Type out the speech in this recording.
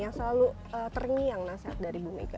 yang selalu terniang nasehat dari ibu mega